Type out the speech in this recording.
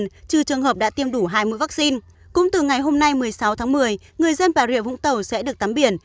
trừ trường hợp đã tiêm đủ hai mũi vaccine cũng từ ngày hôm nay một mươi sáu tháng một mươi người dân bà rịa vũng tàu sẽ được tắm biển